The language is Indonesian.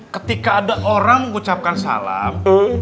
ketika ada orang mengucapkan salam